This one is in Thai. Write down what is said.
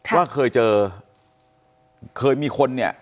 ว่าเคยเจอเคยมีคนเนี่ย